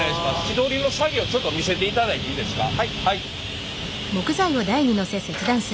木取りの作業ちょっと見せていただいていいですか？